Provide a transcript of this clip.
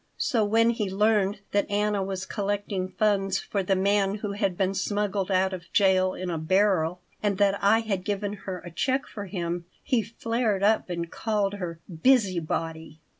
So when he learned that Anna was collecting funds for the man who had been smuggled out of jail in a barrel, and that I had given her a check for him, he flared up and called her "busybody."